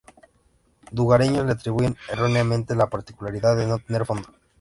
Lugareños le atribuyen erróneamente la particularidad de no tener fondo.